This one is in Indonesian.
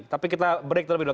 tapi kita break terlebih dahulu